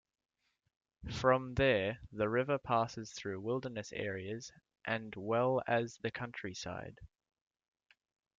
From there, the river passes through wilderness areas and well as the countryside.